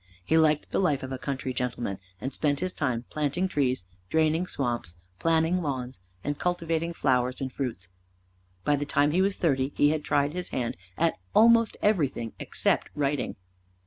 He liked the life of a country gentleman, and spent his time planting trees, draining swamps, planning lawns, and cultivating flowers and fruits. By the time he was thirty he had tried his hand at almost everything except writing.